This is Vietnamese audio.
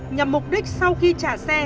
nhằm mục đích sau khi trả xe